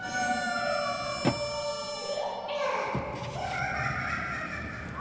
ハハハハハッ！